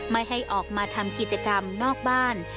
ไม่ให้ออกมาทำกิจกรรมนอกบ้าน